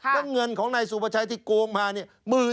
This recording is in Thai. แล้วเงินของนายสุภาชัยที่โกงมาเนี่ย